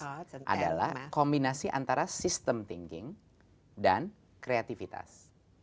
adalah kombinasi antara system thinking dan kreativitas